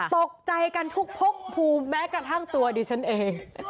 ตกใจกันทุกพกภูมิแม้กระทั่งตัวดิฉันเอง